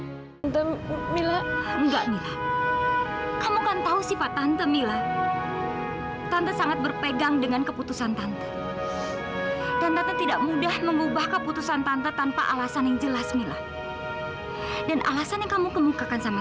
sampai jumpa di video selanjutnya